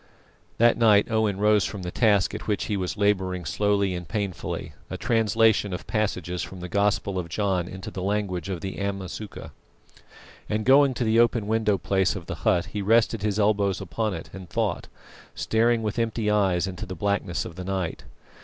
That night Owen rose from the task at which he was labouring slowly and painfully a translation of passages from the Gospel of St. John into the language of the Amasuka and going to the open window place of the hut, he rested his elbows upon it and thought, staring with empty eyes into the blackness of the night.